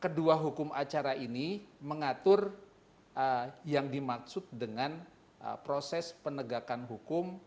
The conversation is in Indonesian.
kedua hukum acara ini mengatur yang dimaksud dengan proses penegakan hukum